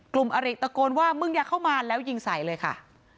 อริตะโกนว่ามึงอย่าเข้ามาแล้วยิงใส่เลยค่ะ